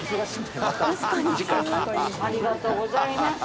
ありがとうございます。